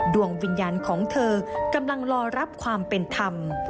ดวงวิญญาณของเธอกำลังรอรับความเป็นธรรม